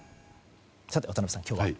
さて渡辺さん、今日は。